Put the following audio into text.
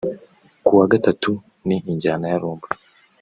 kuwa Gatatu ni injyana ya Rumba